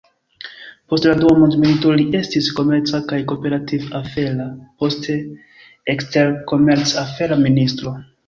Post la dua mondmilito, li estis komerca kaj kooperativ-afera, poste eksterkomerc-afera ministro.